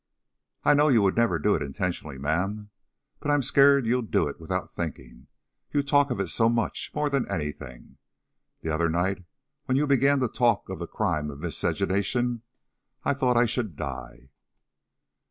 "I know you would never do it intentionally, ma'am, but I'm scared you'll do it without thinking; you talk of it so much, more than anything. The other night when you began to talk of the crime of miscegenation, I thought I should die."